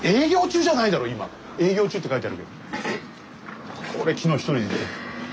営業中って書いてあるけど。